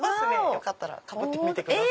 よかったらかぶってください。